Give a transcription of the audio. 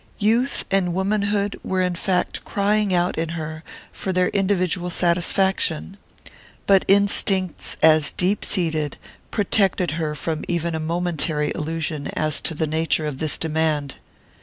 Youth and womanhood were in fact crying out in her for their individual satisfaction; but instincts as deep seated protected her from even a momentary illusion as to the nature of this demand.